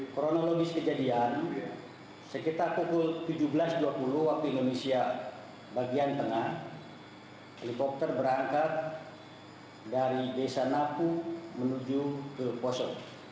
kronologis kejadian sekitar pukul tujuh belas dua puluh waktu indonesia bagian tengah helikopter berangkat dari desa napu menuju ke poso